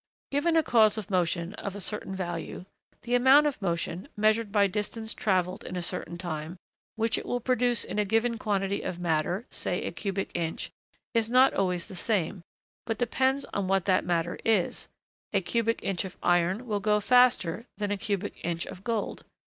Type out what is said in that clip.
Given a cause of motion of a certain value, the amount of motion, measured by distance travelled in a certain time, which it will produce in a given quantity of matter, say a cubic inch, is not always the same, but depends on what that matter is a cubic inch of iron will go faster than a cubic inch of gold.